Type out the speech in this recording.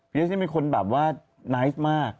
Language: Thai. เพียสมีคนแบบว่านายซ์มาก